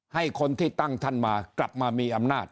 ให้คนที่ตั้งท่านมากลับมามีอำนาจ